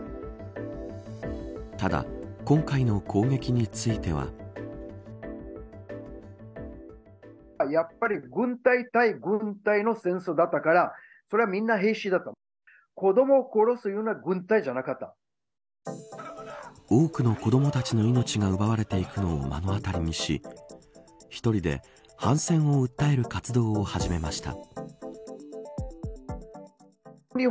ただ、今回の攻撃については。多くの子どもたちの命が奪われていくのを目の当りにし一人で反戦を訴える活動を始めました。